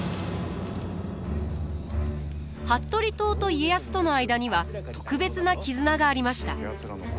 服部党と家康との間には特別な絆がありました。